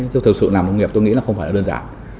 thực sự làm nông nghiệp tôi nghĩ là không phải đơn giản